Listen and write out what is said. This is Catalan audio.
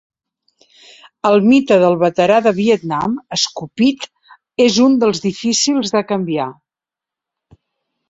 El mite del veterà de Vietnam escopit, és un dels difícils de canviar.